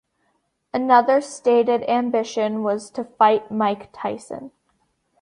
Another stated ambition was to fight Mike Tyson.